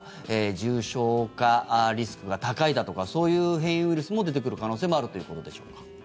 １．５倍の感染力だとか重症化リスクが高いだとかそういう変異ウイルスも出てくる可能性もあるということでしょうか。